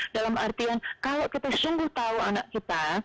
dalam artian kalau kita sungguh tahu anak kita